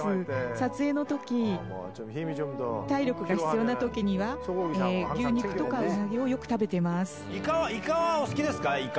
撮影のとき、体力が必要なときには、牛肉とかうなぎをよく食べてイカはお好きですか？